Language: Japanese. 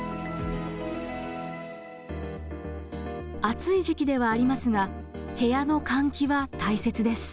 暑い時期ではありますが部屋の換気は大切です。